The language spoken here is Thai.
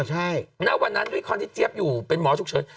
หน้าวันนั้นวิคารที่เจี๊ยบอยู่เป็นหมอฉุกเฉิน